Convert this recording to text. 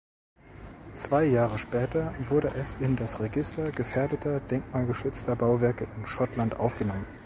Zwei Jahre später wurde es in das Register gefährdeter denkmalgeschützter Bauwerke in Schottland aufgenommen.